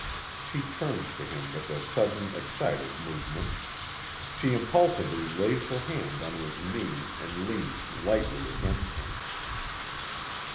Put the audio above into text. She turns to him with a sudden excited movement. She impulsively lays her hand on his knee, and leans lightly against him.